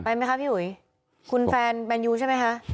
ไหมคะพี่อุ๋ยคุณแฟนแมนยูใช่ไหมคะ